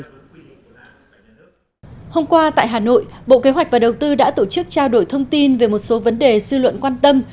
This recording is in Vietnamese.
hôm qua tại hà nội bộ kế hoạch và đầu tư đã tổ chức trao đổi thông tin về một số vấn đề sư luận quan tâm